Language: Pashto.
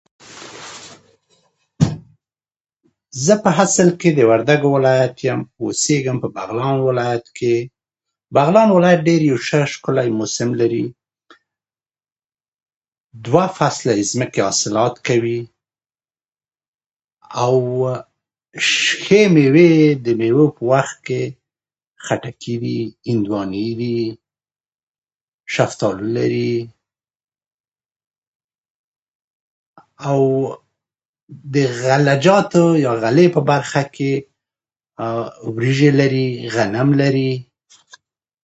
زه په اصل کې د وردګو ولایت یم، اوسېږم په بغلان ولایت کې. بغلان ډېر ښکلی موسم لري. دوه فصله یې ځمکې حاصلات کوي، او او ښې مېوې یې د مېوو په وخت کې خټکي دي، هندوانې دي، شفتالو لري، او د غله جاتو او غلې په برخه کې وريجې لري، غنم لري.